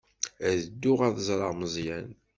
Ad dduɣ ad ẓreɣ Meẓyan.